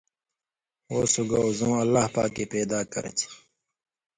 وو سُگاؤ زؤں اللہ پاکے پیدا کرچھی۔